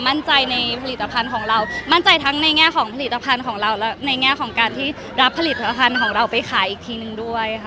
มั่นใจในผลิตภัณฑ์ของเรามั่นใจทั้งในแง่ของผลิตภัณฑ์ของเราและในแง่ของการที่รับผลิตภัณฑ์ของเราไปขายอีกทีนึงด้วยค่ะ